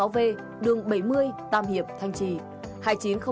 bốn hai nghìn chín trăm linh sáu v đường bảy mươi tam hiệp thanh trì